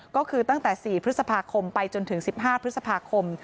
ก็คือตั้งแต่๔พฤษภาคมไปจนถึง๑๕พฤษภาคม